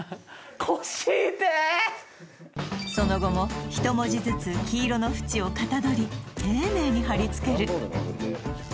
その後もひと文字ずつ黄色の縁を型取り丁寧に貼り付ける